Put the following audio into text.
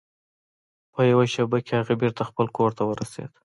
په یوه شیبه کې هغه بیرته خپل کور ته ورسید.